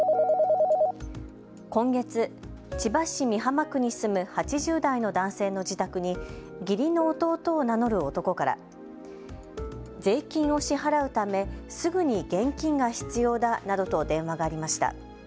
今月、千葉市美浜区に住む８０代の男性の自宅に義理の弟を名乗る男から税金を支払うためすぐに現金が必要だなどと電話がありました。